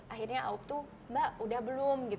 akhirnya aup tuh mbak udah belum